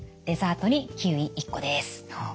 デザートにキウイ１個です。